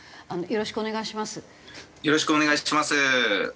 よろしくお願いします。